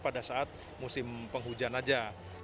pada saat musim penghujan aja